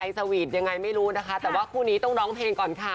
สวีทยังไงไม่รู้นะคะแต่ว่าคู่นี้ต้องร้องเพลงก่อนค่ะ